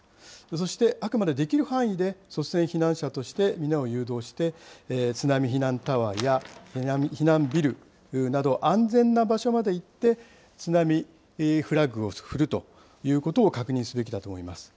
そしてあくまでできる範囲で、率先避難者として皆を誘導して、津波避難タワーや、避難ビルなど、安全な場所まで行って、津波フラッグを振るということを確認すべきだと思います。